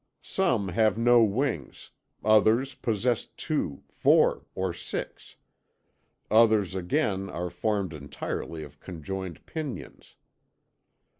Some have no wings, others possess two, four, or six; others again are formed entirely of conjoined pinions.